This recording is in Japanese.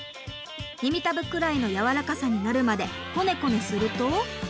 耳たぶくらいのやわらかさになるまでコネコネすると。